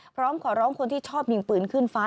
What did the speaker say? พร้อมขอร้องคนที่ชอบยิงปืนขึ้นฟ้า